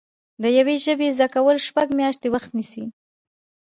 د یوې ژبې زده کول شپږ میاشتې وخت نیسي